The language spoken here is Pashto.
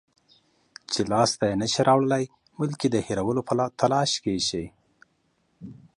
چې لاس ته یې نشی راوړلای، بلکې د هېرولو په تلاش کې شئ